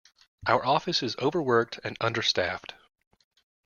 Our office is overworked and understaffed.